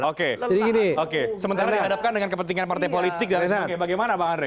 oke oke sementara dihadapkan dengan kepentingan partai politik dan lain sebagainya bagaimana pak andre